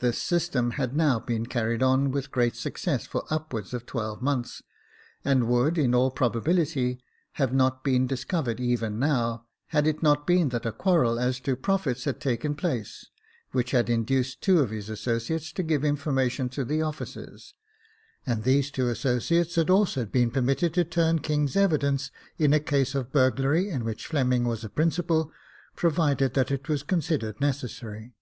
This system had now been carried on with great success for upwards of twelve months, and would, in all probability, have not been discovered even now, had it not been that a quarrel as to profits had taken place, which had induced two of his associates to give information to the officers ; and these two associates had also been permitted to turn king's evidence, in a case of burglary, in which Fleming was a principal, provided that it was considered necessary.